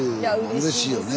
うれしいよね。